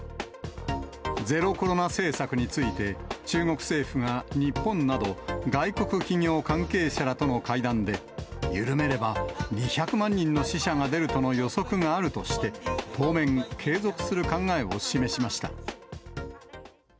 ゼロコロナ政策について、中国政府が、日本など、外国企業関係者らとの会談で、緩めれば２００万人の死者が出るとの予測があるとして、当面、継続する考えを示しました。